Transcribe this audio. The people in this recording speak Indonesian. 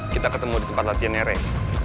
kita ketemu di tempat latihannya ray